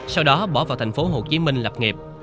sau đó bỏ vào thành phố hồ chí minh lập nghiệp